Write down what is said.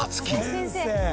先生！